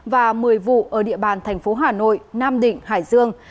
và một mươi vụ ở địa bàn thành phố hà nội nam định hải dương